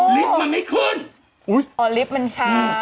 อ๋อลิฟต์มันไม่ขึ้นอุ๊ยอ๋อลิฟต์มันช้า